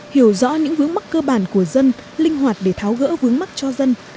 hiểu rõ những vướng mắc cơ bản của dân linh hoạt để tháo gỡ vướng mắt cho dân